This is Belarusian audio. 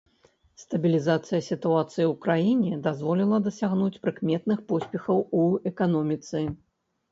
Стабілізацыя сітуацыі ў краіне дазволіла дасягнуць прыкметных поспехаў у эканоміцы.